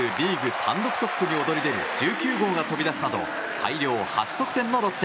単独トップに躍り出る１９号が飛び出すなど大量８得点のロッテ。